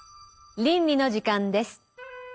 倫理の時間です。